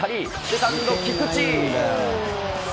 セカンド、菊池。